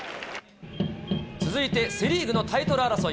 続いてセ・リーグのタイトル争い。